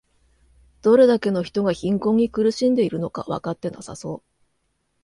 どれだけの人が貧困に苦しんでいるのかわかってなさそう